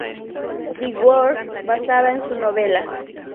The World, basada en su novela.